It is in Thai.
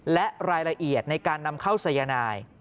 และรายละเอียดในการนำเข้าสายนาย